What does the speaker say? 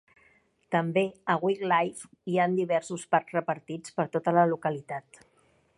També a Wickliffe, hi ha diversos parcs repartits per tota la localitat.